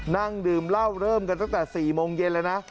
นั่งดื่มเหล้าเริ่มกันตั้งแต่๔โมงเย็นแล้วนะ